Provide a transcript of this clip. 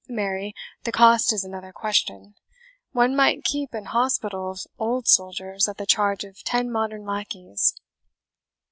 Marry, the cost is another question. One might keep an hospital of old soldiers at the charge of ten modern lackeys."